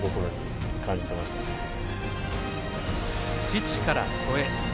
父から子へ。